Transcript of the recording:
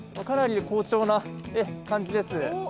かなり好調な感じです。